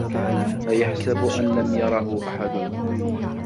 أَيَحسَبُ أَن لَم يَرَهُ أَحَدٌ